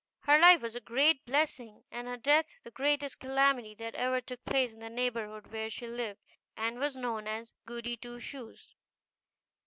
Her life was a great blessing, and her death the greatest calamity that ever took place in the neighborhood where she lived, and was known as GOODY TWO SHOES.